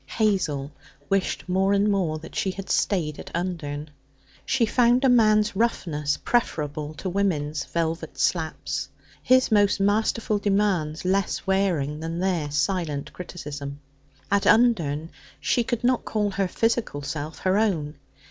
Hazel wished more and more that she had stayed at Undern. She found a man's roughness preferable to women's velvet slaps, his most masterful demands less wearing than their silent criticism. At Undern she could not call her physical self her own.